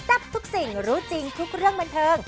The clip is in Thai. ทับทุกสิ่งรู้จริงทุกเรื่องบันเทิง